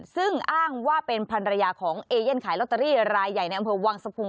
ซึ่งอ้างว่าเป็นภรรยาของเอเย่นขายลอตเตอรี่รายใหญ่ในอำเภอวังสะพุง